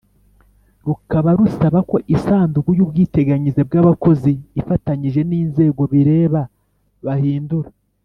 Rukaba rusaba ko Isanduku y Ubwiteganyirize bw Abakozi ifatanyije n inzego bireba bahindura